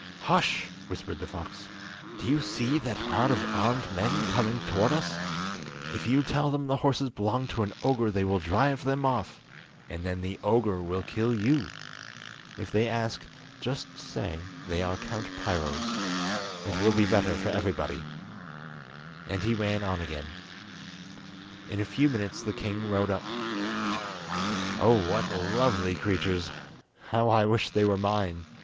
"Hush!" whispered the fox, "do you see that crowd of armed men coming towards us? If you tell them the horses belong to an ogre they will drive them off, and then the ogre will kill you! If they ask, just say they are Count Piro's; it will be better for everybody." And he ran on again. In a few minutes the king rode up. "Oh, what lovely creatures! how I wish they were mine!"